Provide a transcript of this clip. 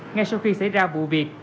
ngay sau khi xảy ra vụ việc